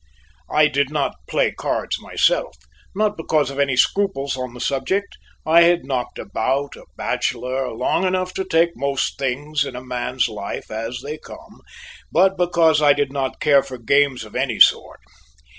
I did not play cards myself; not because of any scruples on the subject, I had knocked about, a bachelor, long enough to take most things in a man's life as they come, but because I did not care for games of any sort.